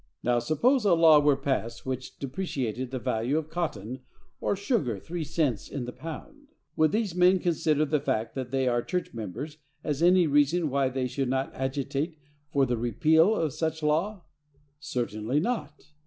Now, suppose a law were passed which depreciated the value of cotton or sugar three cents in the pound, would these men consider the fact that they are church members as any reason why they should not agitate for the repeal of such law? Certainly not.